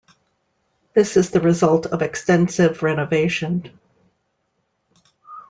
This is the result of extensive renovation.